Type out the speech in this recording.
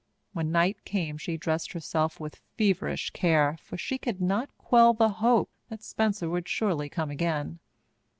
When night came she dressed herself with feverish care, for she could not quell the hope that Spencer would surely come again.